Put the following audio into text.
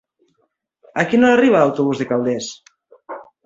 A quina hora arriba l'autobús de Calders?